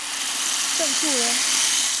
郑注人。